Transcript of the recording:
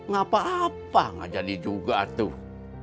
gak apa apa nggak jadi juga tuh